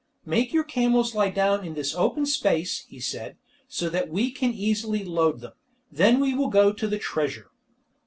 "Make your camels lie down in this open space," he said, "so that we can easily load them; then we will go to the treasure."